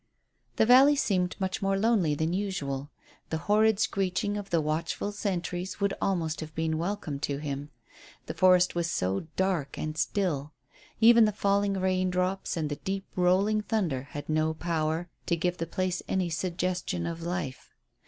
The valley seemed much more lonely than usual. The horrid screeching of the watchful sentries would almost have been welcome to him. The forest was so dark and still. Even the falling raindrops and the deep rolling thunder had no power to give the place any suggestion of life.